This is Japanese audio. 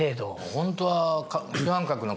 ホントは。